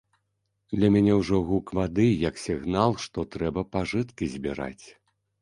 Для мяне ўжо гук вады як сігнал, што трэба пажыткі збіраць.